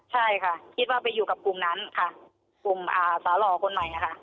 ใช่ค่ะคิดว่าไปอยู่กับกลุ่มนั้นค่ะกลุ่มสาวหล่อคนใหม่นะคะ